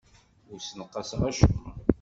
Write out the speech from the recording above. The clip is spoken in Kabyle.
Ur ssenqaseɣ acemma.